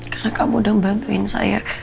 karena kamu udah membantuin saya